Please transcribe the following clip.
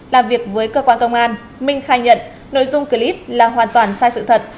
làm việc với cơ quan công an minh khai nhận nội dung clip là hoàn toàn sai sự thật